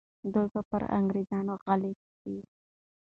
دوی به پر انګریزانو غالب سي.